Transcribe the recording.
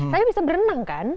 tapi bisa berenang kan